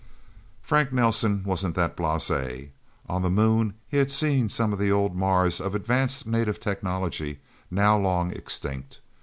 Frank Nelsen wasn't that blasé. On the Moon, he had seen some of the old Mars of advanced native technology, now long extinct.